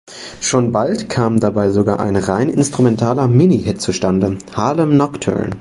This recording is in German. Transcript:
Schon bald kam dabei sogar ein rein instrumentaler Mini-Hit zustande: "Harlem Nocturne".